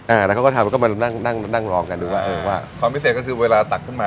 แล้วเขาก็ทำแล้วก็มานั่งนั่งลองกันดูว่าเออว่าความพิเศษก็คือเวลาตักขึ้นมา